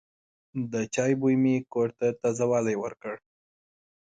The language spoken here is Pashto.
د چای بوی مې کور ته تازه والی ورکړ.